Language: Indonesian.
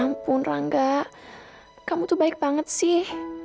gak mungkin kalau aku jatuh cinta sama dia